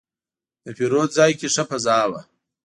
د پیرود ځای کې ښه فضا وه.